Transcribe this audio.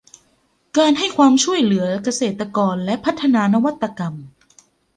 การให้ความช่วยเหลือเกษตรกรและพัฒนานวัตกรรม